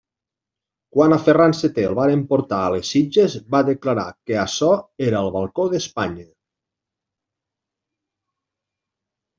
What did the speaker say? Quan a Ferran seté el varen portar a les Sitges, va declarar que açò era el balcó d'Espanya.